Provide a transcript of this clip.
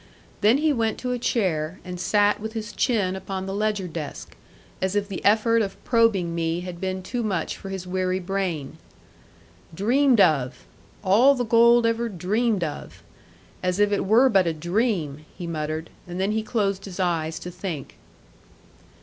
Then he went to a chair, and sat with his chin upon the ledger desk; as if the effort of probing me had been too much for his weary brain. 'Dreamed of! All the gold ever dreamed of! As if it were but a dream!' he muttered; and then he closed his eyes to think.